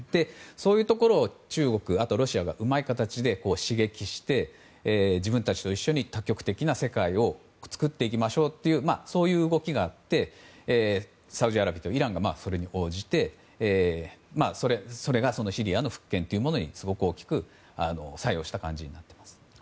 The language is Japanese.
そういうところを中国、ロシアがうまい形で刺激して、自分たちと一緒に多極的な世界を作っていきましょうという動きがあってサウジアラビアとイランがそれに応じてそれがシリアの復権にすごく大きく作用した感じになっています。